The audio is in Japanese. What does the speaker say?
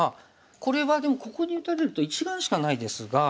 これはでもここに打たれると１眼しかないですが。